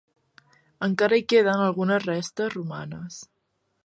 Encara hi queden algunes restes romanes.